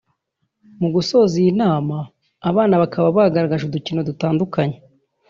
Mu gusoza iyi nama abana bakaba bagaragaje udukino dutandukanye